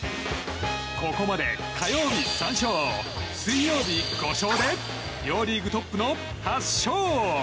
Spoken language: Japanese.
ここまで火曜日３勝、水曜日５勝で両リーグトップの８勝！